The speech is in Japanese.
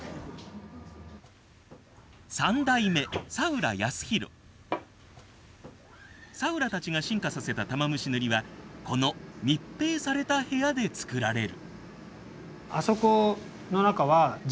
３代目佐浦たちが進化させた玉虫塗はこの密閉された部屋で作られる。